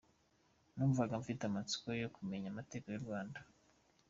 Numvaga mfite amatsiko yo kumenya amateka y’u Rwanda.